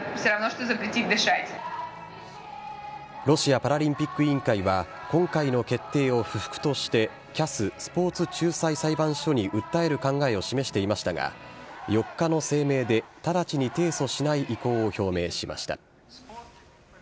ロシアパラリンピック委員会は今回の決定を不服として、ＣＡＳ・スポーツ仲裁裁判所に訴える考えを示していましたが、４日の声明で、直ちに提訴しない意向を表明しました。